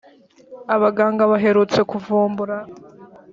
abaganga baherutse kuvumbura